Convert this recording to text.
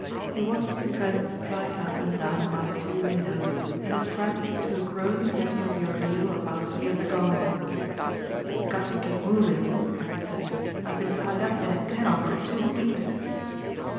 He watched Trent stride up and down by the two windows and ascribed it to a growing sense of the ordeal about to be undergone. "I've got to keep moving," Trent said, "I've been tied up in a kennel for two weeks."